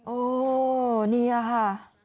โอ้นี่ค่ะ